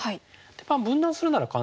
まあ分断するなら簡単ですよね。